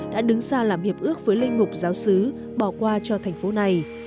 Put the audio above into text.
đã đứng ra làm hiệp ước với linh mục giáo sứ bỏ qua cho thành phố này